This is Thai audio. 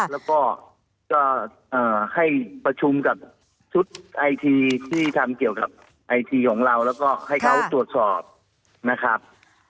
แล้วก็ให้ประชุมกับชุดไอทีที่ทำเกี่ยวกับไอทีของเราแล้วก็ให้เขาตรวจสอบนะครับ